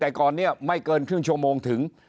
แต่ก่อนนี้ไม่เกินครึ่งชั่วโมงถึง